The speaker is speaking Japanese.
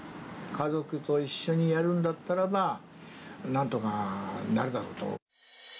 家族と一緒にやるんだったらば、なんとかなるだろうと。